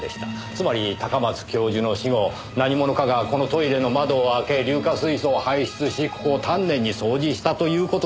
つまり高松教授の死後何者かがこのトイレの窓を開け硫化水素を排出しここを丹念に掃除したという事です。